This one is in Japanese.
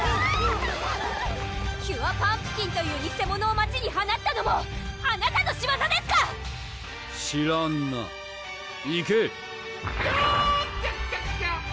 キュアパンプキンという偽者を街に放ったのもあなたの仕業ですか⁉知らんないけキョーキョキョキョ！